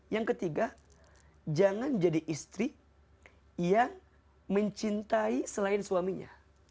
yang ketiga jangan jadi istri yang mencintai selain suaminya